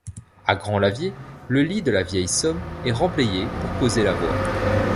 À Grand-Laviers, le lit de la vieille Somme est remblayé pour poser la voie.